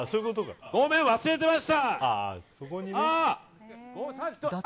ごめん、忘れてました！